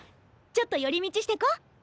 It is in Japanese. ちょっと寄り道してこう！